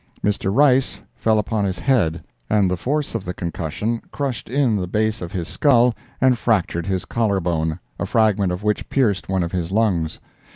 Mr. Rice fell upon his head, and the force of the concussion crushed in the base of his skull and fractured his collar bone, a fragment of which pierced one of his lungs.